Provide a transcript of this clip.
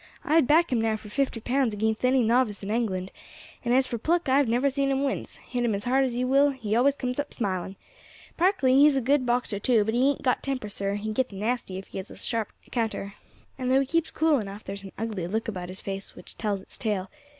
I'd back him now for fifty pounds against any novice in England; and as for pluck, I have never seen him wince, hit him as hard as you will he always comes up smiling. Barkley, he is a good boxer too, but he ain't got temper, sir; he gets nasty if he has a sharp counter; and though he keeps cool enough, there is an ugly look about his face which tells its tale.